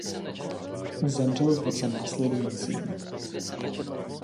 Zemřel v roce následujícím.